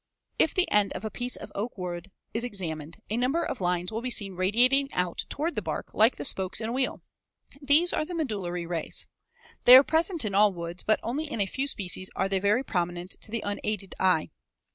] If the end of a piece of oak wood is examined, a number of lines will be seen radiating out toward the bark like the spokes in a wheel. These are the medullary rays. They are present in all woods, but only in a few species are they very prominent to the unaided eye.